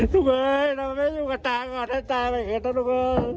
ทุกผู้ชมเราไม่อยู่กับตาขอดท่านตามาเย็นครับทุกผู้ชม